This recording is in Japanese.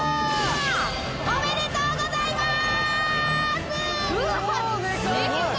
おめでとうございます！